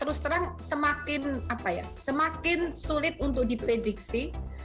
terus terang semakin apa ya semakin sulit untuk diprediksi